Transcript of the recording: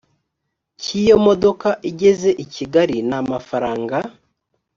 cy iyo modoka igeze i kigali n amafaranga